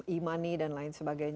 e money dan lain sebagainya